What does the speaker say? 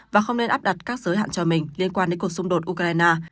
và không nên áp đặt các giới hạn cho mình liên quan đến cuộc xung đột ukraine